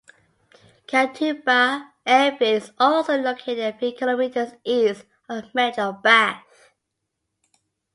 Katoomba Airfield is also located a few kilometres east of Medlow Bath.